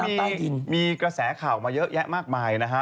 ซึ่งตอนนี้ก็มีกระแสขาวมาเยอะแยะมากมายนะฮะ